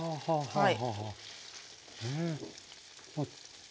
はい。